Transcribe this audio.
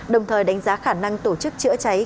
đồng thời đánh giá khả năng tổ chức chữa cháy